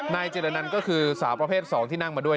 นายจิละนันท์ก็คือสาวประเภทสองที่นั่งมาด้วย